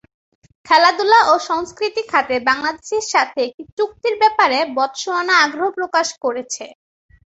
খেলাধুলা ও সংস্কৃতি খাতে বাংলাদেশের সাথে একটি চুক্তির ব্যাপারে বতসোয়ানা আগ্রহ প্রকাশ করেছে।